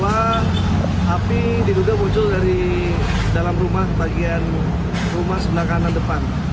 api diduga muncul dari dalam rumah bagian rumah sebelah kanan depan